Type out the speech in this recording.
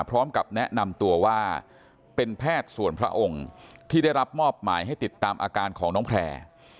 พร้อมกับแนะนำตัวว่าเป็นแพทย์ส่วนพระองค์ที่ได้รับมอบหมายให้ติดตามอาการของน้องแพร่